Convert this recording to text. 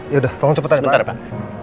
yaudah tolong cepetan pak